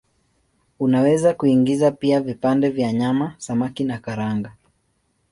Unaweza kuingiza pia vipande vya nyama, samaki na karanga.